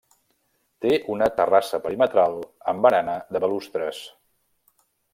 Té una terrassa perimetral amb barana de balustres.